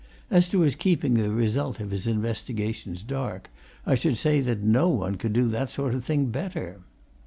As to his keeping the result of his investigations dark, I should say that no one could do that sort of thing better!"